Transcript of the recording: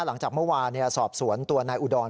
หลังจากเมื่อวานสอบสวนตัวนายอุดร